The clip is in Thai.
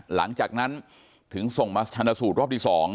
หลังจากนั้นถึงส่งมาชนะสูตรรอบที่๒